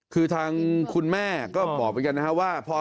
คือทางคุณแม่ก็บอกเหมือนกันนะครับว่า